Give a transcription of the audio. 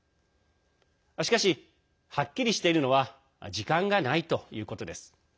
しかし、はっきりしているのは時間がないということです。